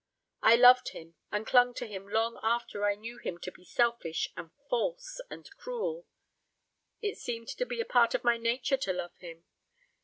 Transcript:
I loved him, and clung to him long after I knew him to be selfish and false and cruel. It seemed to be a part of my nature to love him.